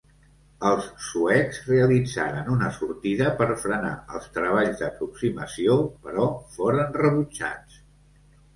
Els suecs realitzaren una sortida per frenar els treballs d'aproximació, però foren rebutjats.